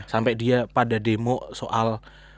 sampai dia pada demo soal